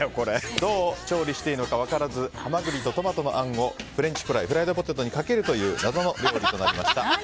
どう調理していいのか分からずハマグリとトマトのあんをフレンチフライフライドポテトにかけるという謎の料理となりました。